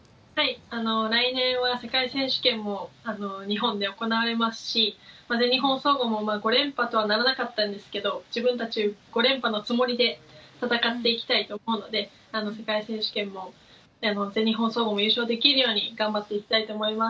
来年は世界選手権も日本で行われますし全日本総合も５連覇とはならなかったんですが自分たち、５連覇のつもりで戦っていきたいと思うので世界選手権も全日本総合も優勝できるように頑張っていきたいと思います。